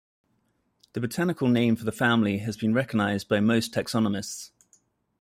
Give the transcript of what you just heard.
The botanical name for the family has been recognized by most taxonomists.